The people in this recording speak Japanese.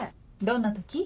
どんな時？